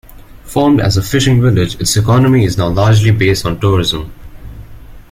Formed as a fishing village, its economy is now largely based on tourism.